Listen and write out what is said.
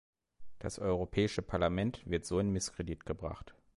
Das Europäische Parlament wird so in Misskredit gebracht.